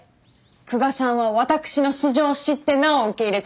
久我さんは私の素性を知ってなお受け入れてくれました。